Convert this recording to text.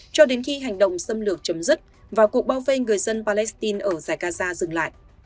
cho đến khi hành động xâm lược chấm dứt và cuộc bao vây người dân palestine ở giải gaza dừng lại